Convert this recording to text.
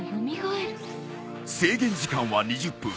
制限時間は２０分。